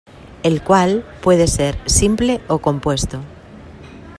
El cual puede ser simple o compuesto.